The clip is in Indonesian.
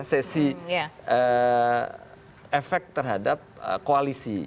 sesi efek terhadap koalisi